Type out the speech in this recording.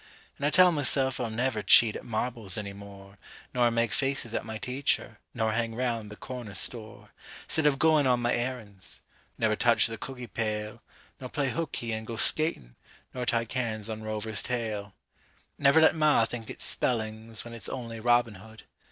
An' I tell myself I'll never Cheat at marbles any more, Nor make faces at my teacher, Nor hang round the corner store 'Stead of goin' on my errands; Never touch the cookie pail, Nor play hooky an' go skatin', Nor tie cans on Rover's tail; Never let ma think it's spellings When it's only Robin Hood.